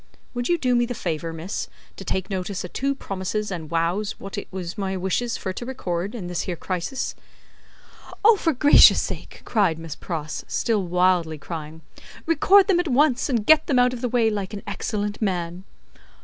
Would you do me the favour, miss, to take notice o' two promises and wows wot it is my wishes fur to record in this here crisis?" "Oh, for gracious sake!" cried Miss Pross, still wildly crying, "record them at once, and get them out of the way, like an excellent man."